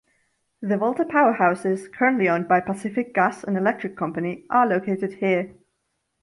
The Volta powerhouses, currently owned by Pacific Gas and Electric Company, are located here.